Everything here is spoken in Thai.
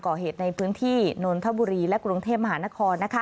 ก่อเหตุในพื้นที่นนทบุรีและกรุงเทพมหานคร